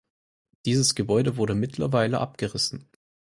Dieses Gebäude wurde mittlerweile abgerissen.